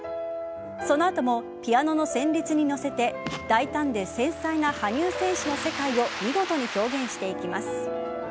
その後もピアノの旋律に乗せて大胆で繊細な羽生選手の世界を見事に表現してきます。